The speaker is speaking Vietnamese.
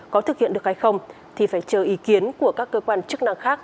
có thực hiện được hay không thì phải chờ ý kiến của các cơ quan chức năng khác